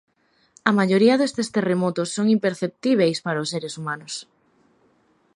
A maioría destes terremotos son imperceptíbeis para os seres humanos.